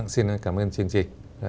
xin cảm ơn chương trình